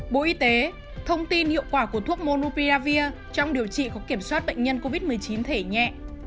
bộ y tế thông tin hiệu quả của thuốc monupiravir trong điều trị và kiểm soát bệnh nhân covid một mươi chín thể nhẹ